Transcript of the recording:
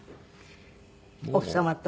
奥様と？